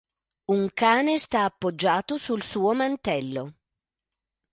Un cane sta appoggiato sul suo mantello.